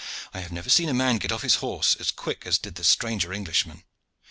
I have never seen a man get off his horse as quick as did that stranger Englishman.